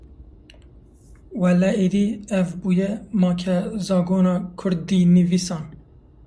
Wele êdî ev bûye makezagona kurdînivîsan.